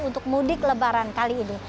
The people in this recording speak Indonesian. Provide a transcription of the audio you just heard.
untuk mudik lebaran kali ini